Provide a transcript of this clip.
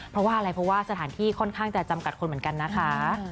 เพราะว่าอะไรเพราะว่าสถานที่ค่อนข้างจะจำกัดคนเหมือนกันนะคะ